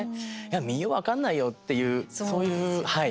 民謡分かんないよっていうそういう、はい。